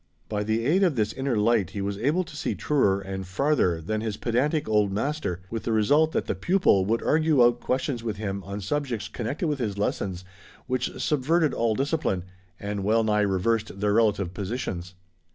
By the aid of this inner light he was able to see truer and farther than his pedantic old master, with the result that the pupil would argue out questions with him on subjects connected with his lessons which subverted all discipline, and well nigh reversed their relative positions.